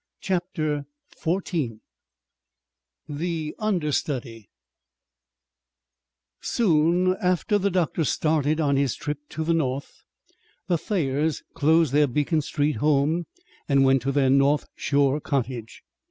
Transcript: CHAPTER XIV AN UNDERSTUDY Soon after the doctor started on his trip to the North the Thayers closed their Beacon Street home and went to their North Shore cottage.